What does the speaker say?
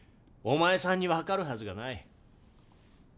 お前さんに分かるはずがない。